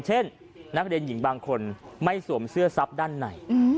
เช่นนักเรียนหญิงบางคนไม่สวมเสื้อซับด้านใน